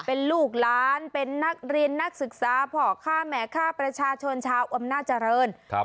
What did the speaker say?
เป็นลูกหลานเป็นนักเรียนนักศึกษาพ่อฆ่าแหมฆ่าประชาชนชาวอำนาจริงครับ